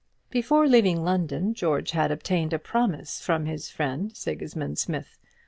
Before leaving London, George had obtained a promise from his friend Sigismund Smith.